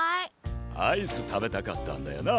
アイスたべたかったんだよな？